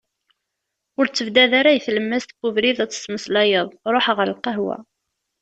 Ur ttebdad ara deg tlemmas n ubrid ad tettmmeslayeḍ, ruḥ ɣer lqahwa.